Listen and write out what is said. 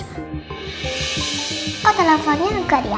oh teleponnya angkat ya